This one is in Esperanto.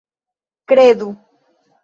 kredu